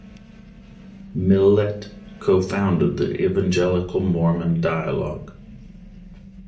Millet co-founded the evangelical-Mormon dialogue.